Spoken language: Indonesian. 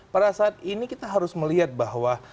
pada saat ini kita harus melihat bahwa